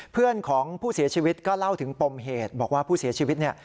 เพื่อนของผู้เสียชีวิตก็เล่าถึงปมเหตุบอกว่าผู้เสียชีวิตเนี่ย